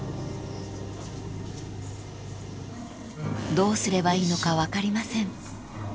［どうすればいいのか分かりません］